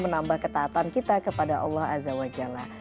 menambah ketaatan kita kepada allah azza wa jalla